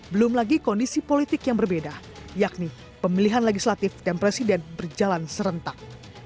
belum lagi kondisi politik yang berbeda yakni pemilihan legislatif dan presiden berjalan serentak